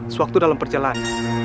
sewaktu dalam perjalanan